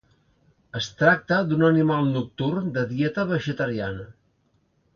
Es tracta d'un animal nocturn de dieta vegetariana.